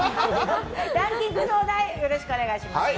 ランキングのお題をよろしくお願いします。